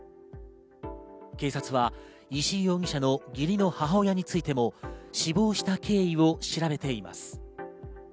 警察は石井容疑者の義理の母親についても死亡した経緯を調べています。